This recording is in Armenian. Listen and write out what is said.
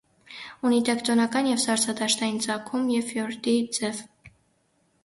Ունի տեկտոնական և սառցադաշտային ծագում և ֆյորդի ձև։